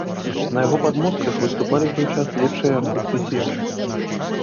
На яго падмостках выступалі ў той час лепшыя артысты свету.